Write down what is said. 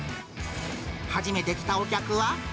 初めて来たお客は。